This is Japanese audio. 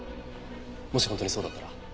もし本当にそうだったら。